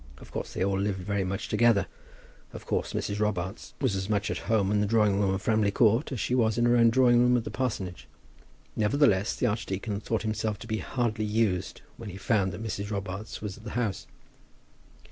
Of course they all lived very much together. Of course Mrs. Robarts was as much at home in the drawing room of Framley Court as she was in her own drawing room at the parsonage. Nevertheless, the archdeacon thought himself to be hardly used when he found that Mrs. Robarts was at the house.